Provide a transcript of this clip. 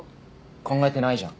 考えてないじゃん。